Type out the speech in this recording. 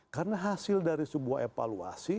karena hasil dari sebuah evaluasi